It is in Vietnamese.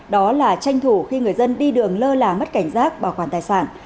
đó là tranh thủ khi người dân đi đường lơ là mất cảnh giác bảo quản tài sản